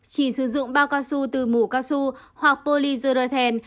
chỉ sử dụng bao cao su từ mù cao su hoặc polyzeroten